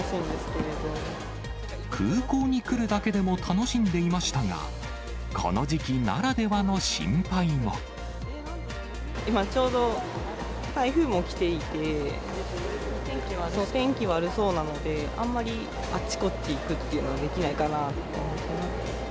空港に来るだけでも楽しんでいましたが、今、ちょうど台風も来ていて、天気悪そうなので、あんまりあっちこっち行くっていうのはできないかなと思ってます。